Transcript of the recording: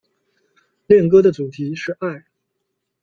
恋歌的主题是爱。